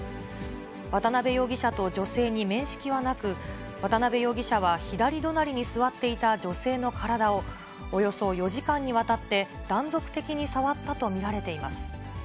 渡辺容疑者と女性に面識はなく、渡辺容疑者は左隣に座っていた女性の体を、およそ４時間にわたって断続的に触ったと見られています。